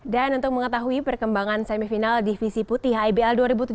dan untuk mengetahui perkembangan semifinal divisi putih ibl dua ribu tujuh belas